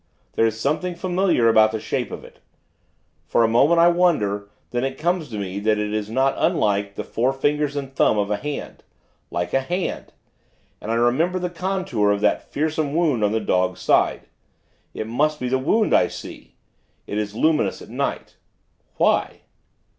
There is something familiar about the shape of it. For a moment, I wonder; then it comes to me, that it is not unlike the four fingers and thumb of a hand. Like a hand! And I remember the contour of that fearsome wound on the dog's side. It must be the wound I see. It is luminous at night Why?